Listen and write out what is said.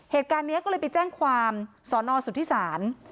เหตุการณ์นี้ก็เลยไปแจ้งความสอนอสุทธิศาล